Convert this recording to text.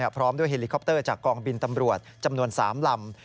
พร้อมด้วยเฮลิคอปเตอร์จากกองบินตำรวจจำนวน๓ลำ